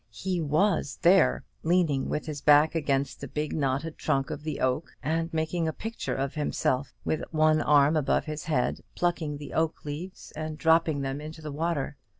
He was there: leaning with his back against the big knotted trunk of the oak, and making a picture of himself, with one arm above his head, plucking the oak leaves and dropping them into the water.